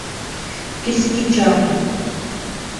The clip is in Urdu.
کس کی چاہ ہے